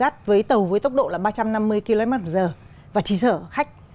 chỉ sở khách